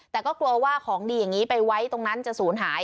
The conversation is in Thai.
แต่ก็กลัวว่าของดีอย่างนี้ไปไว้ตรงนั้นจะศูนย์หาย